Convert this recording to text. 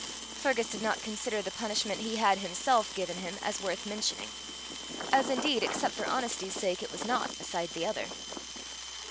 Fergus did not consider the punishment he had himself given him as worth mentioning as indeed, except for honesty's sake, it was not, beside the other.